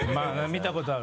見たこと。